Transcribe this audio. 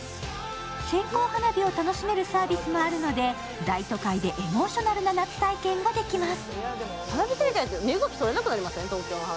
線香花火を楽しめるサービスもあるので大都会でエモーショナルな夏体験ができます。